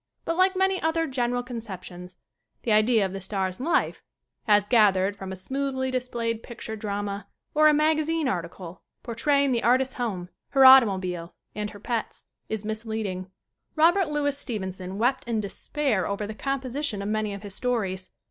But like many other general conceptions the idea of the star's life as gathered from a smoothly displayed picture drama or a magazine article portraying the artist's home, her automobile and her pets is misleading. Robert Louis Stevenson wept in despair over the composition of many of his stories.